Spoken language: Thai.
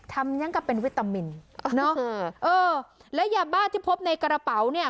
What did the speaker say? ยังกับเป็นวิตามินเนอะเออเออแล้วยาบ้าที่พบในกระเป๋าเนี่ย